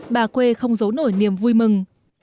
bà quê không giấu nổi niềm vui mừng